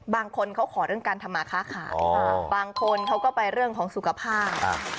บางคนเขาขอเรื่องการทำมาค้าขายบางคนเขาก็ไปเรื่องของสุขภาพ